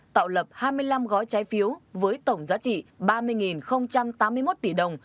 tạo lập hai mươi năm gói trái phiếu với tổng giá trị ba mươi tám mươi một tỷ đồng